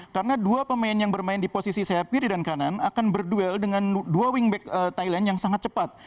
karena dua pemain yang bermain di posisi set kiri dan kanan akan berduel dengan dua wingback thailand yang sangat cepat